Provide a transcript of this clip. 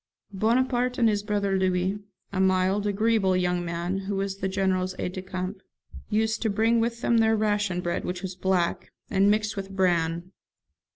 Bonaparte and his brother Louis (a mild, agreeable young man, who was the General's aide de camp) used to bring with them their ration bread, which was black, and mixed with bran.